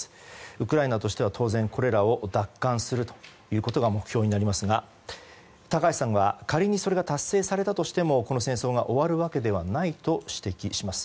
ウクライナとしては当然これらを奪還するということが目標になりますが高橋さんは、仮にそれが達成されたとしてもこの戦争が終わるわけではないと指摘します。